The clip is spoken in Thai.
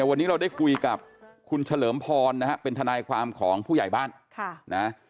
วันนี้เราได้คุยกับคุณเฉลิมพรนะฮะเป็นทนายความของผู้ใหญ่บ้านค่ะนะ